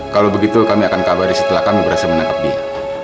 kalau begitu kami akan kabari setelah kami berhasil menangkap dia